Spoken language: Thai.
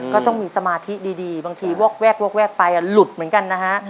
ก็ต้องมีสมาธิดีบางทีวอกแวกไปหลุดเหมือนกันนะฮะ